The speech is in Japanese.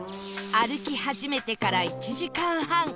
歩き始めてから１時間半